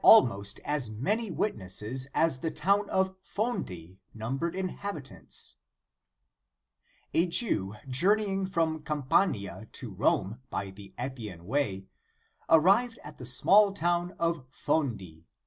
134 The Sign of the Cross. almost as many witnesses as the town of Fondi numbered inhabitants.* "A Jew journeying from Campania to Rome by the Appian Way, arrived at the small town of Fondi.